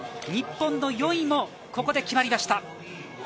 日本の４位もここで決まりました。